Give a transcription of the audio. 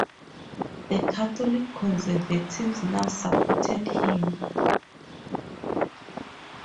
The Catholic Conservatives now supported him.